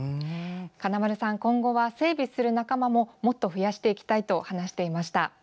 金丸さん、今後は整備する仲間ももっと増やしていきたいと話していました。